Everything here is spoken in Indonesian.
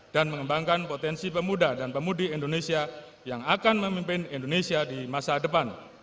dan mengembangkan potensi pemuda dan pemudi indonesia yang akan memimpin indonesia di masa depan